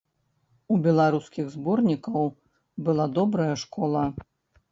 У беларускіх зборнікаў была добрая школа.